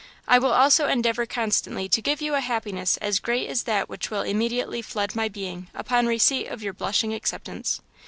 I will also endeavour constantly to give you a happiness as great as that which will immediately flood my bing upon receipt of your blushing acceptance.